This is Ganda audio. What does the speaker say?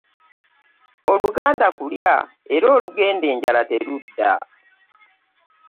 Oluganda kulya era olugenda enjala terudda.